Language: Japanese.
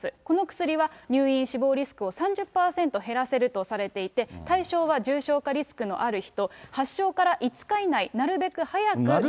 この薬は、入院、死亡リスクを３０％減らせるとされていて、対象は重症化リスクのある人、発症から５日以内、なるべく早く。